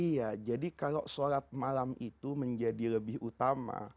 iya jadi kalau sholat malam itu menjadi lebih utama